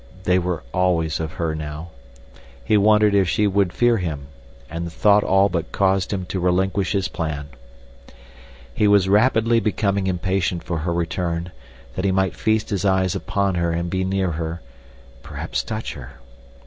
They were always of her now. He wondered if she would fear him, and the thought all but caused him to relinquish his plan. He was rapidly becoming impatient for her return, that he might feast his eyes upon her and be near her, perhaps touch her.